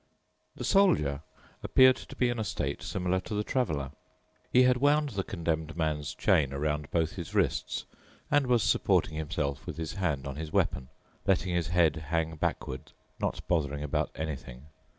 The Soldier appeared to be in a state similar to the Traveler. He had wound the Condemned Man's chain around both his wrists and was supporting himself with his hand on his weapon, letting his head hang backward, not bothering about anything.